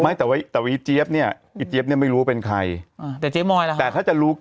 ไม่แต่ว่าอีเจี๊ยบเนี่ยอีเจี๊ยบเนี่ยไม่รู้เป็นใครอ่าแต่เจ๊มอยล่ะแต่ถ้าจะรู้